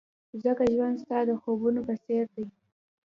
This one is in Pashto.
ځکه ژوند ستا د خوبونو په څېر دی.